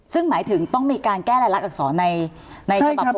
ซึ่งหมายถึงต้องมีการแก้รายลักษณอักษรในฉบับผู้